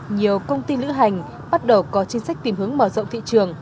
nhiều công ty lữ hành bắt đầu có chính sách tìm hướng mở rộng thị trường